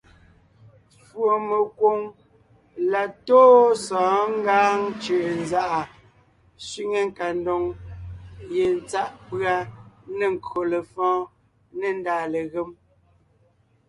Fùɔmekwoŋ la tóo sɔ̌ɔn Ngǎŋ cʉ̀ʼʉnzàʼa sẅiŋe nkadoŋ ye tsáʼ pʉ́a nê nkÿo lefɔ̌ɔn nê ndàa legém.